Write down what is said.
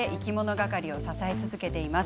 がかりを支え続けています。